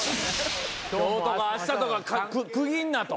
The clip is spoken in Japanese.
今日とかあしたとか区切んなと。